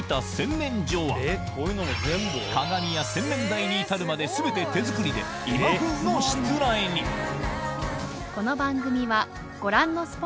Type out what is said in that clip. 鏡や洗面台に至るまで全て手作りで今風のしつらえにえっ。